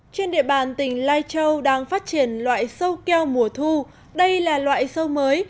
trên địa bàn tỉnh lai châu đang phát triển loại sâu keo mùa thu đây là loại sâu mới